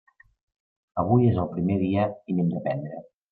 Avui és el primer dia i n'hem d'aprendre.